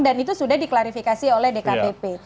dan itu sudah diklarifikasi oleh dkbp